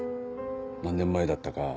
何年前だったか。